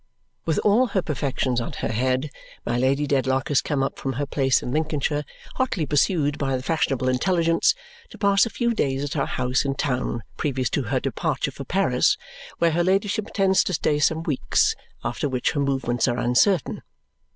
With all her perfections on her head, my Lady Dedlock has come up from her place in Lincolnshire (hotly pursued by the fashionable intelligence) to pass a few days at her house in town previous to her departure for Paris, where her ladyship intends to stay some weeks, after which her movements are uncertain.